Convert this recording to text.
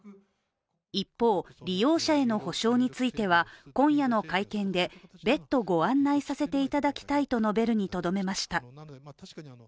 一方、利用者への補償については今夜の会見で別途ご案内させていただきたいと述べるにとどめました。